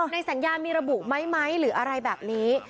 ในสัญญามีระบุไหมหรืออะไรแบบนี้